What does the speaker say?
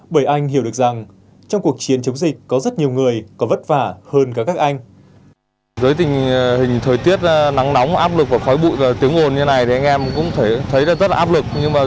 bởi anh hiểu được rằng trong cuộc chiến chống dịch có rất nhiều người có vất vả hơn cả các anh